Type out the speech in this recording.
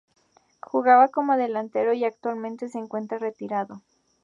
Jugaba como delantero y actualmente se encuentra retirado.